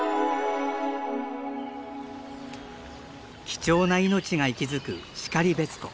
貴重な命が息づく然別湖。